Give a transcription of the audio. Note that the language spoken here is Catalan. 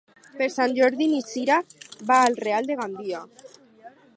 Per Sant Jordi na Cira va al Real de Gandia.